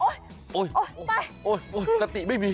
โอ๊ยไปโอ๊ยสติไม่มี